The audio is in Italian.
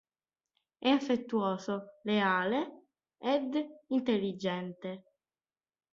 È affettuoso, leale ed intelligente.